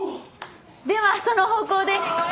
ではその方向で。